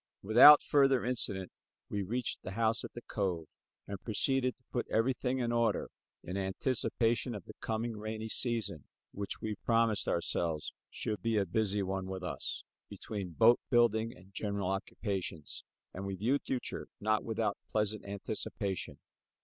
Without further incident we reached the house at the cove and proceeded to put everything in order in anticipation of the coming rainy season which, we promised ourselves should be a busy one with us, between boat building and general occupations; and we viewed the future not without pleasant anticipations.